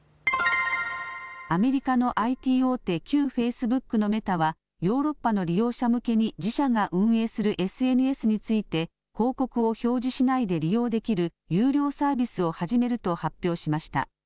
アメリカのＩＴ大手、旧フェイスブックのメタはヨーロッパの利用者向けに自社が運営するＳＮＳについて広告を表示しないで利用できる有料サービスを始めると発表しました。